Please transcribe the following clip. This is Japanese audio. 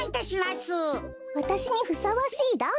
わたしにふさわしいラン？